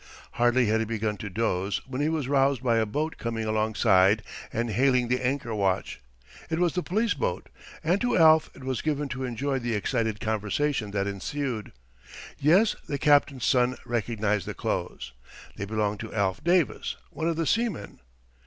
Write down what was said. Hardly had he begun to doze when he was roused by a boat coming alongside and hailing the anchor watch. It was the police boat, and to Alf it was given to enjoy the excited conversation that ensued. Yes, the captain's son recognized the clothes. They belonged to Alf Davis, one of the seamen.